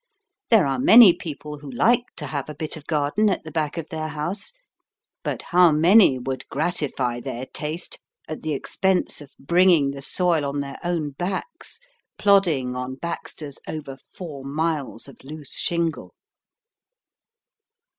There are many people who like to have a bit of garden at the back of their house. But how many would gratify their taste at the expense of bringing the soil on their own backs, plodding on "backstays" over four miles of loose shingle?